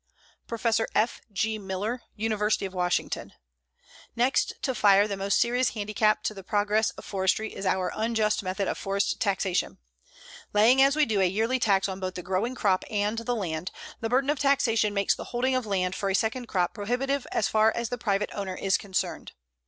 PROFESSOR F. G. MILLER, University of Washington: Next to fire the most serious handicap to the progress of forestry is our unjust method of forest taxation. Laying as we do a yearly tax on both the growing crop and the land, the burden of taxation makes the holding of land for a second crop prohibitive as far as the private owner is concerned.